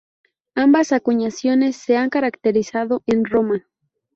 Ambas acuñaciones se han caracterizado en Roma.